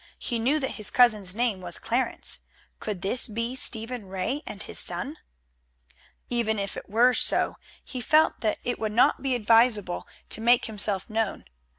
He knew that his cousin's name was Clarence. Could this be Stephen Ray and his son? Even if it were so, he felt that it would not be advisable to make himself known.